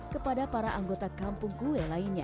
kepada para anggota kampung kue lainnya